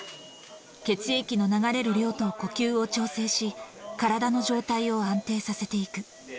血液の流れる量と呼吸を調整し、体の状態を安定させていく。